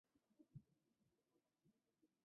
及后随桓玄西奔江陵。